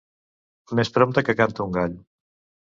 Més prompte que canta un gall.